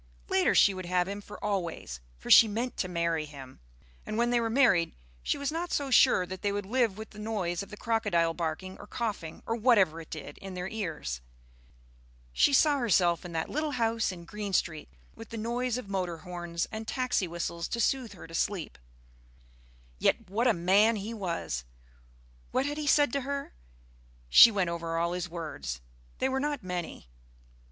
Later she would have him for always, for she meant to marry him. And when they were married she was not so sure that they would live with the noise of the crocodile barking or coughing, or whatever it did, in their ears. She saw herself in that little house in Green Street, with the noise of motor horns and taxi whistles to soothe her to sleep. Yet what a man he was! What had he said to her? She went over all his words.... They were not many.